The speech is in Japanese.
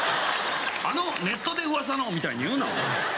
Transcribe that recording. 「あのネットでうわさの」みたいに言うなお前。